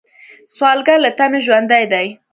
سوالګر له تمې ژوندی دی